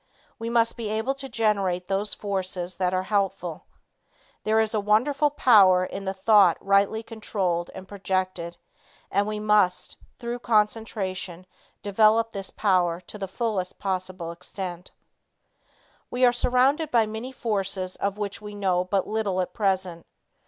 We must be able to generate those forces that are helpful. There is a wonderful power in the thought rightly controlled and projected and we must through concentration develop this power to the fullest possible extent. We are surrounded by many forces of which we know but little at present.